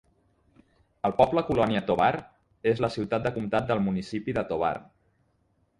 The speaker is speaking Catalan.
El poble Colonia Tovar és la ciutat de comtat del municipi de Tovar.